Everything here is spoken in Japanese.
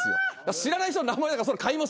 知らない人の名前だからかみますよ。